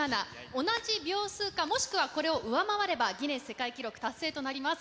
同じ秒数かもしくはこれを上回れば、ギネス世界記録達成となります。